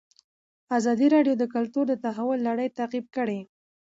ازادي راډیو د کلتور د تحول لړۍ تعقیب کړې.